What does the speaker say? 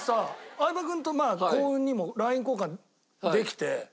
相葉君と幸運にもＬＩＮＥ交換できて。